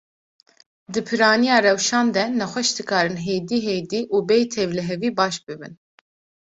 Di piraniya rewşan de, nexweş dikarin hêdî hêdî û bêy tevlihevî baş bibin.